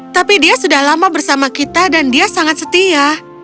tapi dia sudah lama bersama kita dan dia sangat setia